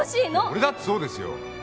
俺だってそうですよ。